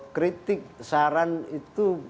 kritik saran itu